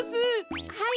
はい。